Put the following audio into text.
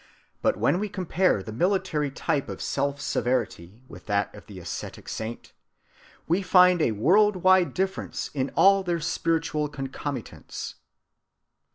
But when we compare the military type of self‐severity with that of the ascetic saint, we find a world‐wide difference in all their spiritual concomitants.